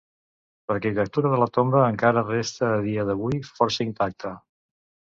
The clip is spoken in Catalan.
L'arquitectura de la tomba encara resta a dia d'avui força intacta.